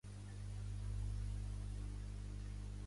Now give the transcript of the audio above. Part d'ell es va tornar a obrir com a patrimoni de la Battlefield Line.